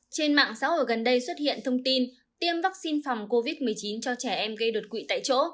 trên mạng xã hội gần đây xuất hiện thông tin tiêm vaccine phòng covid một mươi chín cho trẻ em gây đột quỵ tại chỗ